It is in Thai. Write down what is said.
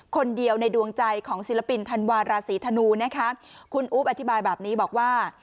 คนเดียวในดวงใจของศิลปินธันวาราศีธนูนะคะคุณอุ๊บอธิบายแบบนี้บอกว่า